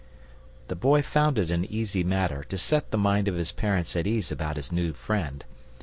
The Boy found it an easy matter to set the mind of his parents' at ease about his new friend.